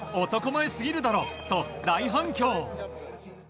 男前すぎるだろと大反響。